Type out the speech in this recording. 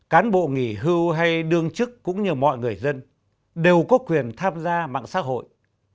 cán bộ nghỉ hưu hay đương chức cũng như mọi người dân đều có quyền tham gia mạng xã hội